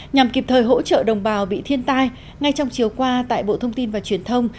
nhằm kịp thời hỗ trợ đồng bào bị thiên tai ngay trong chiều qua tại bộ thông tin và truyền thông